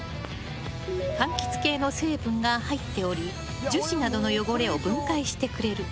柑橘系の成分が入っており樹脂などの汚れを分解してくれる。